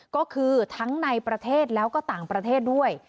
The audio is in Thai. ก็คือทั้งในประเทศแล้วก็ต่างประเทศด้วย